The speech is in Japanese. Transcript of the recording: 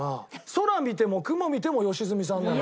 空見ても雲見ても良純さんなのよ。